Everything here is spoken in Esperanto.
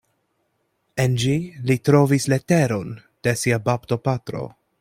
En ĝi li trovis leteron de sia baptopatro.